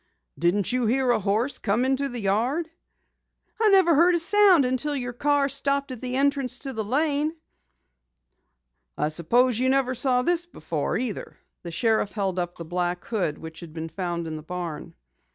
"Didn't you hear a horse come into the yard?" "I never heard a sound until your car stopped at the entrance to the lane." "I suppose you never saw this before either." The sheriff held up the black hood which had been found in the barn. Mrs.